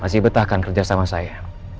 masih betah kan kerja sama saya